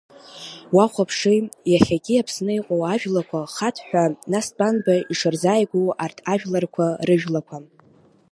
Уахәаԥши, иахьагьы Аԥсны иҟоу ажәлақәа Ҳаҭхәа, нас Тәанба ишырзааигәоу арҭ ажәларқәа рыжәлақәа.